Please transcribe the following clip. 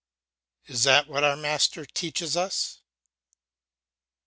Is that what our master teaches us?